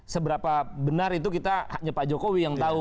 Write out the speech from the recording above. seberapa benar itu kita hanya pak jokowi yang tahu